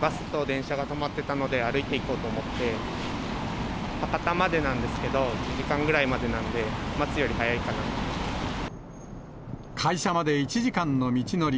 バスと電車が止まってたので、歩いて行こうと思って、博多までなんですけど、１時間ぐらいまで会社まで１時間の道のり。